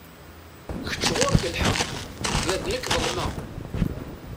Kečč ɣur-k lḥeqq, ma d nekk ḍelmeɣ.